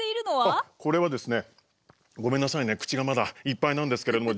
あこれはですねごめんなさいね口がまだいっぱいなんですけれども。